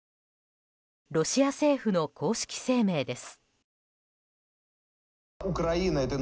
ロシア政府の公式声明です。